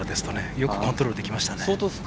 よくコントロールできましたね。